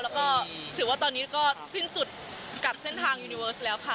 แล้วก็ถือว่าตอนนี้ก็สิ้นสุดกับเส้นทางยูนิเวิร์สแล้วค่ะ